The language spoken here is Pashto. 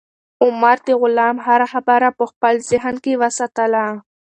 عمر د غلام هره خبره په خپل ذهن کې وساتله.